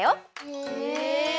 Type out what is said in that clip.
へえ！